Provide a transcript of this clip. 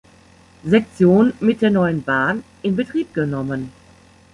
Sektion mit der neuen Bahn in Betrieb genommen.